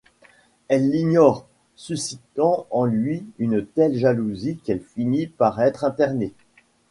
Elle l'ignore, suscitant en lui une telle jalousie qu'il finit par être interné.